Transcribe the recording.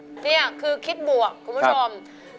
นี่คือคิดบวกคุณผู้ชม